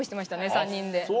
３人で。